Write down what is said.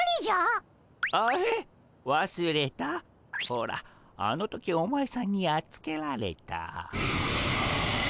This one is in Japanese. ほらあの時お前さんにやっつけられた。